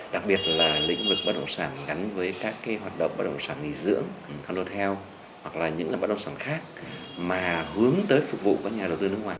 đặc biệt là lĩnh vực bất động sản gắn với các hoạt động bất động sản nghỉ dưỡng hà lô theo hoặc là những bất động sản khác mà hướng tới phục vụ các nhà đầu tư nước ngoài